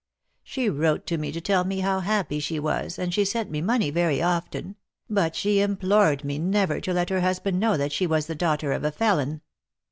She wrote to tell me how happy she was, and she sent me money very often ; but she implored me never to let her husband know that she was the daughter of a felon.